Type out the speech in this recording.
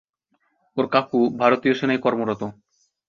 ওর কাকু ভারতীয় সেনায় কর্মরত।